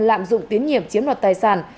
lạm dụng tiến nhiệm chiếm đoạt tài sản